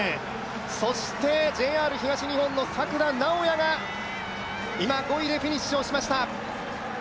ＪＲ東日本の作田直也が今、５位でフィニッシュをしました。